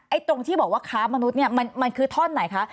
ตรงที่บอกว่าค้ามนุษย์เนี่ยมันคือท่อนไหนคะ